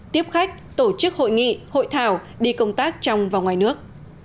tiếp khách tổ chức hội nghị hội thảo đi công tác trong và ngoài nước